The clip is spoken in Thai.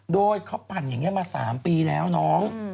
โดยเขาปั่นอย่างนี้มา๓ปีแล้วน้อง